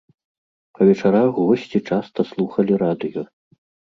Па вечарах госці часта слухалі радыё.